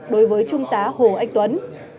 đối với trung tá hồ anh tuấn